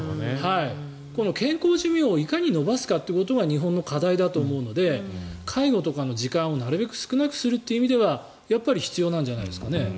この健康寿命をいかに延ばすかということが日本の課題だと思うので介護とかの時間をなるべく少なくするという意味ではやっぱり必要なんじゃないですかね。